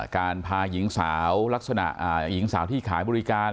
การพาหญิงสาวลักษณะหญิงสาวที่ขายบริการ